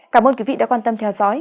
cảm ơn quý vị đã quan tâm theo dõi